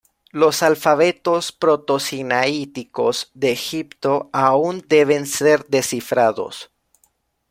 Los alfabetos proto-sinaíticos de Egipto aún deben ser descifrados.